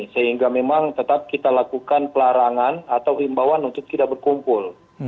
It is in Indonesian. sehingga memang tetap kita lakukan pelarangan atau himbawan untuk tidak berkumpul